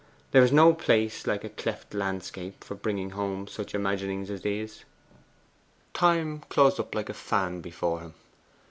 There is no place like a cleft landscape for bringing home such imaginings as these. Time closed up like a fan before him.